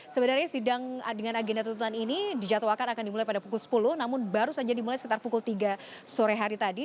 sebenarnya sidang dengan agenda tuntutan ini dijadwalkan akan dimulai pada pukul sepuluh namun baru saja dimulai sekitar pukul tiga sore hari tadi